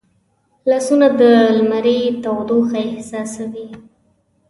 لاسونه د لمري تودوخه احساسوي